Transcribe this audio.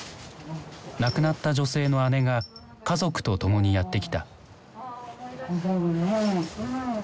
亡くなった女性の姉が家族と共にやって来た。